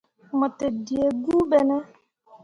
Mo te dǝǝ guu ɓe ne ?